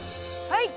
はい。